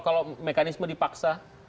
kalau mekanisme dipaksa